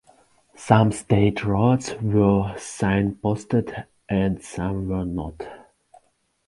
Some state roads were signposted and some were not.